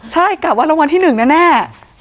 ใช่กลับวันราวรวมที่๑แน่